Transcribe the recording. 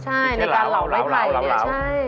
ใช่ในการเหล่าไม้ไผ่เนี่ยใช่